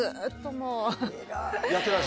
もう。